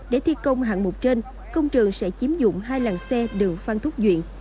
để thi công hạng mục trên công trường sẽ chiếm dụng hai làng xe đường phan thúc duyện